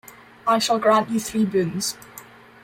I shall grant you three boons.